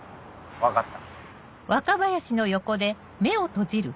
分かった。